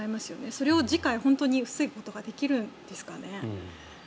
それを次回、本当に防ぐことができるんですかね。